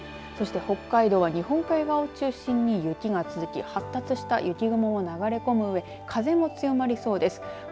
そして北海道は日本海側を中心に雪が続き、発達した雪雲が流れ込むうえ風も強まりそうです。